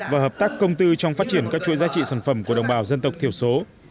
và hợp tác công tư trong phát triển các chuỗi giá trị sản phẩm của đồng bào dân tộc thiểu số